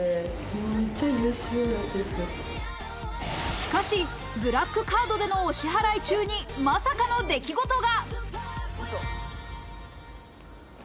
しかし、ブラックカードでのお支払い中にまさかの出来事が。